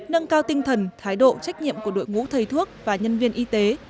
nâng cao tinh thần thái độ trách nhiệm của đội ngũ thầy thuốc và nhân viên y tế